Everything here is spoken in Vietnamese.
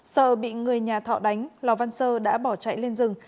sợ bị người nhà thọ đánh lò văn sơ đã bỏ chạy lên rừng